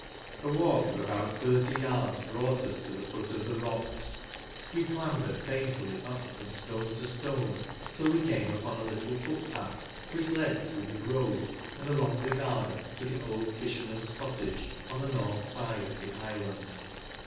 A walk of about thirty yards brought us to the foot of the rocks. We clambered painfully up from stone to stone, till we came upon a little footpath which led through the grove and along the garden to the old fisherman's cottage, on the north side of the island.